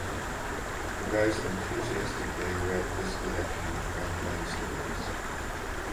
The guys enthusiastically read this collection of frontline stories.